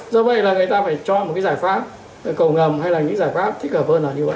do vậy là người ta phải cho một cái giải pháp cầu ngầm hay là những giải pháp thích hợp hơn là như vậy